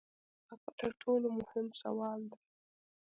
هغه تر ټولو مهم سوال دی.